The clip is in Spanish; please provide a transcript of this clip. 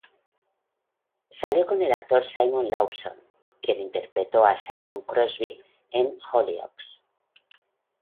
Salió con el actor Simon Lawson, quien interpretó a Simon Crosby en "Hollyoaks".